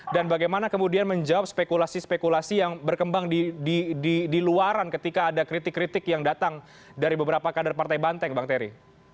dan bagaimana kemudian menjawab spekulasi spekulasi yang berkembang di luaran ketika ada kritik kritik yang datang dari beberapa kader partai banteng bang terry